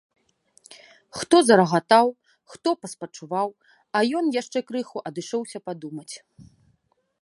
Хто зарагатаў, хто паспачуваў, а ён яшчэ крыху адышоўся падумаць.